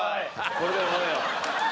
これでも飲めよ。